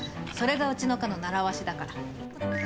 それがうちの課のならわしだから。